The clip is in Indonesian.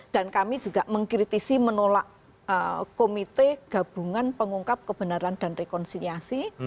dan kami juga mengkritisi menolak komite gabungan pengungkap kebenaran dan rekonsiliasi